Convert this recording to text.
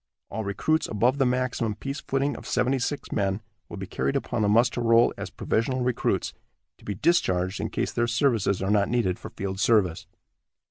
All recruits above the maximum peace footing of seventy six men will be carried upon the muster roll as provisional recruits, to be discharged in case their services are not needed for field service."